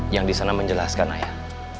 yang disana menjelaskan ayah